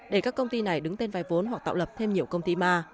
để các công ty này đứng tên vai vốn hoặc tạo lập thêm nhiều công ty ma